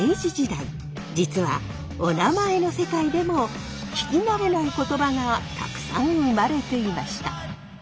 実はおなまえの世界でも聞き慣れない言葉がたくさん生まれていました。